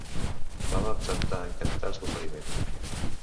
Vam acceptar encantats l'oferiment.